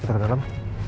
kita ke dalam